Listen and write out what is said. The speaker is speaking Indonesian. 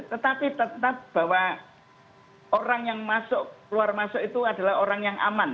tetapi tetap bahwa orang yang masuk keluar masuk itu adalah orang yang aman